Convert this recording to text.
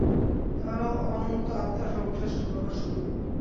তাঁহারা অনন্ত আত্মার সর্বশ্রেষ্ঠ প্রকাশ-স্বরূপ।